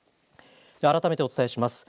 改めてお伝えします。